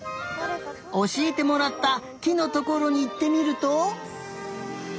おしえてもらったきのところにいってみると。